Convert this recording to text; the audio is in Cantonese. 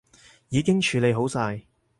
已經處理好晒